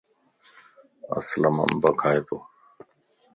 اسلم انب کائي تو.